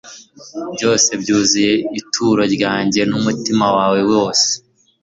Byose byuzuye ituro ryanjye n'umutima wawe wose